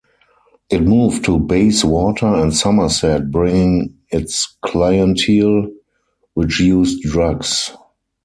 It moved to Bayswater and Somerset, bringing its clientele, which used drugs.